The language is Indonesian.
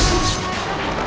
dengan perasaan ukuriyat